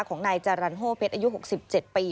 ของนายจารันโฮเพชรอายุ๖๗ปี